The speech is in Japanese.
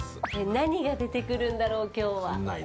何が出てくるんだろう、今日は。